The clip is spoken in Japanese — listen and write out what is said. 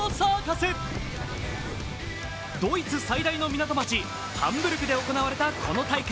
ドイツ最大の港町ハンブルクで行われたこの大会。